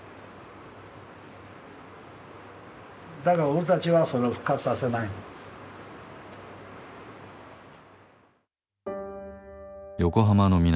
だから俺たちはそれを復活させないの。